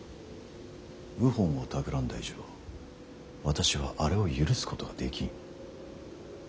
謀反をたくらんだ以上私はあれを許すことはできん。